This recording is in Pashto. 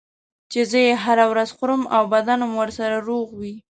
چې زه یې هره ورځ خورم او بدنم ورسره روغ وي.